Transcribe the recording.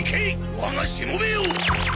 我がしもべよ！